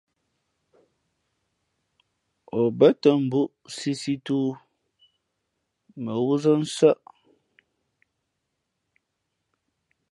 O bα̌tα mbūʼ sīsī tōō mα wúzά nsάʼ.